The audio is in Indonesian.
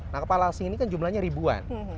nah kepala asing ini kan jumlahnya ribuan